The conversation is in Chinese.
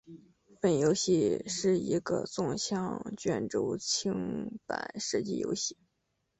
本游戏是一个纵向卷轴清版射击游戏。